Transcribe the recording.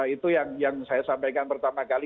itu yang saya sampaikan pertama kali